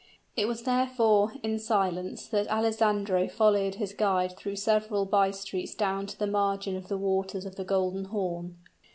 It was, therefore, in silence that Alessandro followed his guide through several by streets down to the margin of the waters of the Golden Horn.